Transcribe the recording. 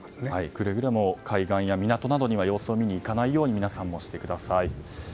くれぐれも海岸や港などには様子を見に行かないように皆さんもしてください。